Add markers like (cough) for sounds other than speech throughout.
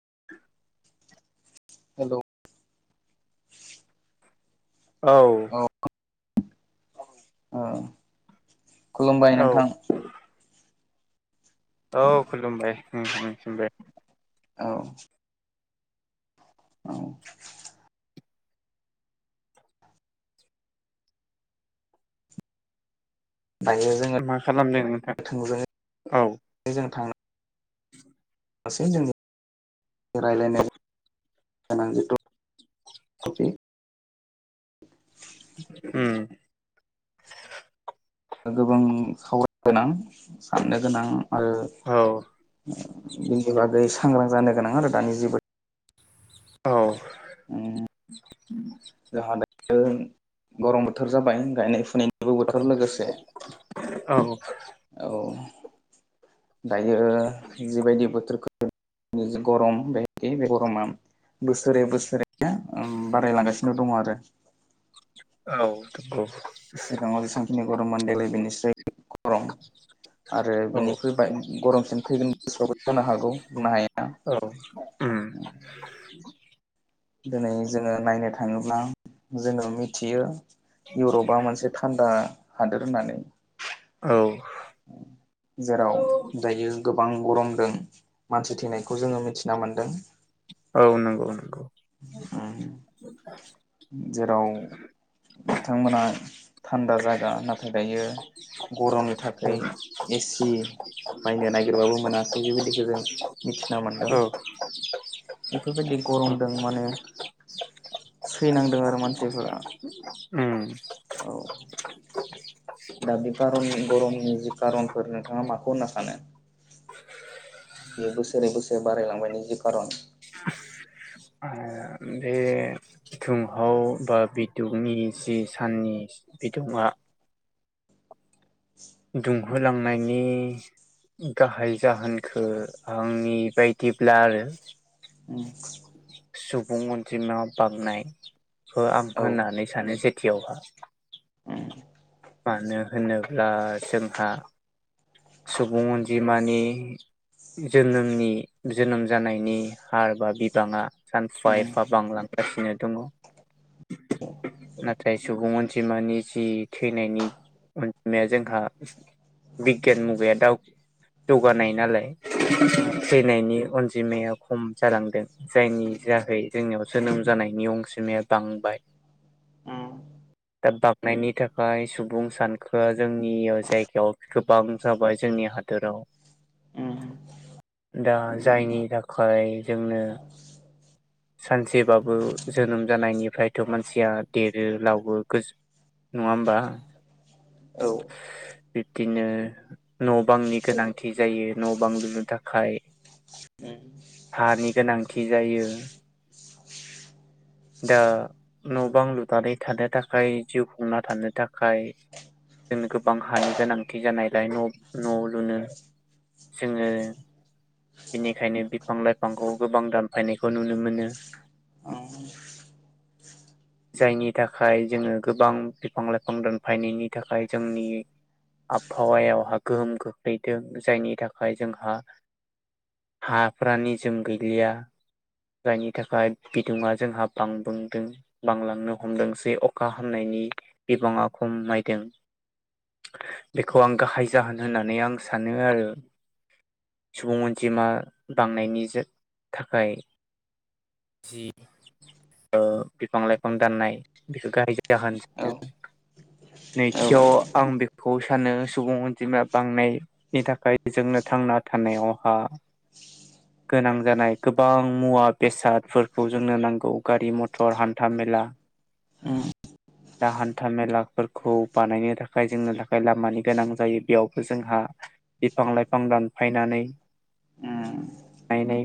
(inaudible) Hello औ ओ खुलुमबाय औ नोंथां। औ खुलुमबायबाय नोंथांनिसिमबो। औ औ दायो जोङो मा खालामदों नोंथां थोंजोङै औ (unintelligible) जों रायलायनाय गोनां जे दं (unintelligible) उम (inaudible) गोबां सावरायनो गोनां साननो गोनां आरो औ बिनि बागै सांग्रां जानो गोनां आरो दानि जेबो औ (inaudible) उम (unintelligible) गरम बोथोर जाबाय गायनाय फुनायनि औ औ औ दायो जिबायदि बोथोरखौ (inaudible) गरम बे बे गरमा बोसोरे बोसोरे बारायलांगासिनो दङ आरो औ सिगाङाव जेसांखिनि गरममोन देग्लाय बेनिस्राय आरो गरम। आरो औ बिनिख्रुइ बां गरमसिन फैगोन बोसोरावबो जानो हागौ बुंनो हाया। उ दिनै जोङो नायनो थाङोब्ला जोङो मिथियो। इउरपा मोनसे थान्दा हादोर होननानै औ उम जेराव दायो गोबां गरमदों मानसि थैनायखौ जोङो मिथिना मोन्दों। औ नंगौ नंगौ (inaudible) जेराव बिथांमोना थान्दा जागा नाथाय दायो गरमनि थाखाय एसि बायनो नागिरबाबो मोनाखै बेबायदिखौ जों मिथिना मोनदों। औ बेफोर बायदि गरमदों माने सैनांदों आरो मानसिफोरा उम औ दा बे कारन गरमनि जि कारनफोर नोंथाङा माखौ होनना सानो (inaudible) बेयो बोसोरै बोसोरै बारायलांनायनि जि खारन आ बे थुंहाव बा बिदुंनि जि साननि बिदुङा दुंहोलांनायनि गाहाय जाहोनखो आंनि बायदिब्ला आरो उम सुबुं अनजिमा बांनायखौ आं औ होननानै सानो सेथियावहा (inaudible) मानो होनोब्ला जोंहा सुबुं अनजिमानि जोनोमनि जोनोम जानायनि हार बा बिबाङा सानफा एफा बांलां गासिनो दङ। नाथाय सुबुं अनजिमानि जि थैनायनि अनजिमाया जोंहा बिगियान मुगाया दा जौगानाय नालाय उम थैनायनि अनजिमाया खम जालांदों जायनि जायाखै जोंनियाव जोनोम जानाय नि अनजिमाया बांबाय उम दा बांनायनि थाखाय सुबुं सानखोआ जोंनि जायगायाव गोबां जाबाय जोंनि हादोराव उम दा जायनि थाखाय जोंनो सानसेबाबो जोनोम जानायनिफ्रायथ मानसिया देरो लावो नङा होमबा उम औ उम औ बिब्दिनो न' बांनि गोनांथि जायो न' बां लुनो थाखाय उम हानि गोनांथि जायो दा न' बां लुनानै थानो थाखाय जिउखौ थांना थानो थाखाय जोंनो गोबां हानि गोनांथि जानायलाय न' न' लुनो जोङो बेनिखायनो बिफां लाइफांखौ गोबां दानफायनायखौ नुनो मोनो आ जायनि थाखाय जोङो गोबां बिफां लाइफां दोनफायनायनि थाखाय जोंनि आबहावायावहा गोहोम खख्लैदों जायनि थाखाय जोंहा हाफोरा निजोम गैलिया जायनि थाखाय बिदुं जोंहा बांबुंदों बांलांनो हमदोंसै अखा हामनायनि बिबाङा खमायदों बेखौ आं गाहाय जाहोन होननानै आं सानो आरो सुबुं अनजिमा बांनायनि थाखाय जि बिफां लाइफां दाननाय बेखौ गाहाय जाहोन औ औ नैथियाव आं बेखौ सानो सुबुं अनजिमाया बांनायनि थाखाय जोंनो थांना थानायावहा गोनां जानाय गोबां मुवा बेसादफोरखौ जोंनो नांगौ गारि मथर हान्थामेला (inaudible) दा हान्था मेलाफोरखौ बानायनो थाखाय जोंनि थाखाय लामानि गोनां जायो बेयावबो जोंहा बिफां लाइफां दानफायनानै फायनाय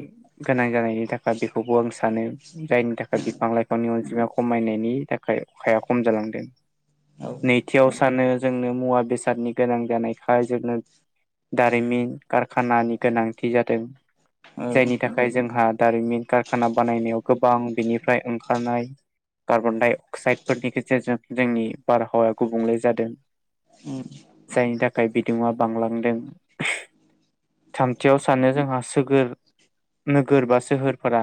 गोनां जानायनि थाखाय बेखौबो आं सानो जायनि थाखाय बिफां लाइफांनि अनजिमा खमायनायनि थाखाय अखाया खम जालांदों नैथियाव सानो जोंनो मुवा बेसादनि गोनां जानायखाय जोंनो दारिमिन कारखानानि गोनांथि जादों जायनि थाखाय जोंहा दारिमिन कारखाना बानायनायाव गोबां बेनिफ्राय ओंखारनाय कार्बन डाइ अक्साइडफोरनि गेजेरजों जोंनि बारहावाया गुबुंले जादों उम जायनि थाखाय बिदुङा बांलांदों थामथियाव सानो जोंहा सोहोल नोगोर बा सोहोरफोरा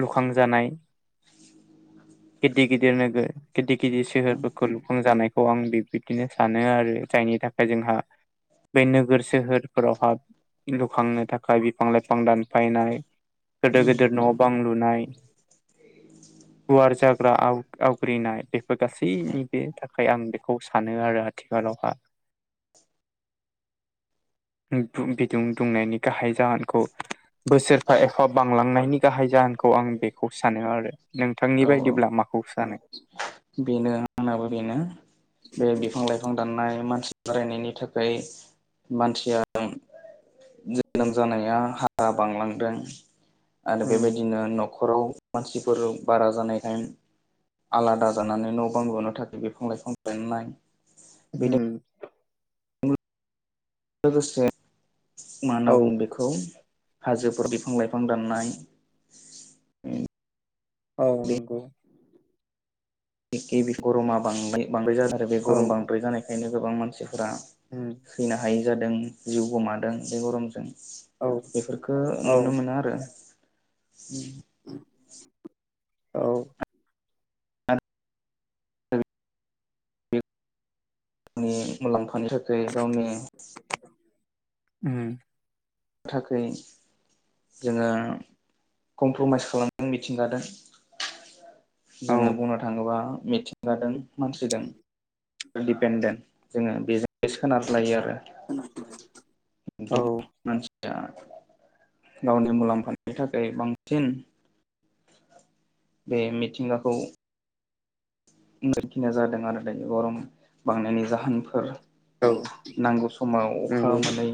लुखांजानाय गिदिर गिदिर नोगोर गिदिर गिदिर सोहोरफोरखौ लुफांजानायखौ आं बेबदिनो सानो आरो जायनि थाखाय जोंहा बे नोगोर सोहोरफोराव हा ब। लुखांनो थाखाय बिफां लाइफां दानफायनाय गोदोर उम गिदिर न' बां लुनाय (inaudible) गुवार जाग्रा आव आवग्रिनाय बेफोर गासैनि बे थाखाय आं बेखौ सानो आरो आथिखालाव हा बिदुं दुंनायनि गाहाय जाहोनखौ बोसोरफा एफा बांलांनायनि गाहाय जाहोनखौ आं बेखौ सानो आरो नोंथांनि औ औ बायदिब्ला माखौ सानो बेनो आंनाबो बेनो बे बिफां लाइफां दाननाय मानसि मानसि बारायनायनि थाखाय मानसिया जोनोम जानाया हारा बांलांदों आरो उम बेबायदिनो न' न'खराव मानसिफोर बारा जानाय टाइम आलादा जानानै न' बां बिहनो थाखाय बिफां लाइफां दाननाय बेजों ओम लोगोसे मा होनना औ बुं बेखौ हाजोफोर बिफां लाइफां दाननाय औ नंगौ गिबि गरमा बांद्राय जादों आरो बे औ गरम बांद्राय जानायखायनो गोबां मानसिया फोरा उम सैनो हायै जादों जिउ गोमादों बे गरमजों औ बेफोरखौ औ नुनो मोनो आरो उम औ गावनि मुलाम्फानि थाखाय गावनि उम थाखाय जोङो कमप्रमाइस खालामदों मिथिंगादों औ जोङो बुंनो थाङोबा मिथिंगाजों मानसिजों सेल्फ डिपेन्डेन्ट जोङो बेजों सोनार लायो आरो औ (inaudible) गावनि मुलाम्फानि थाखाय बांसिन बे मिथिंगाखौ बेखिनिया जादों आरो दायो गरम बांनायनि जाहोनफोर। औ नांगौ समाव अखा नंगौ मोनै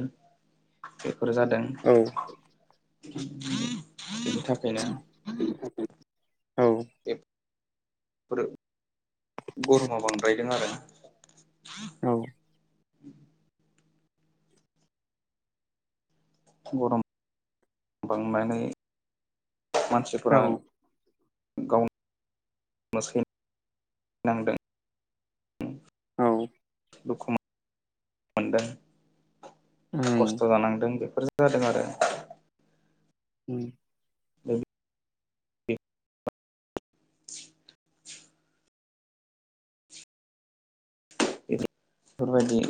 फोर जादों औ बेनि थाखायनो औ बे फोर गरमा बांद्रायदों आरो (inaudible) औ गरम बांनानै औ मानसिफोरा गाव मोसं नांदों औ दुखु मोन मोनदों उम खस्थ' जानांदों बेफोरजों जादों आरो उम औ बायदि